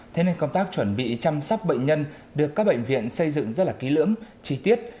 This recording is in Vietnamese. thế nên công tác chuẩn bị chăm sác bệnh nhân được các bệnh viện xây dựng rất là ký lưỡng trí tiết